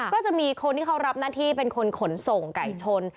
ก็จะมีคนที่เขารับหน้าที่เป็นคนขนส่งไก่ชน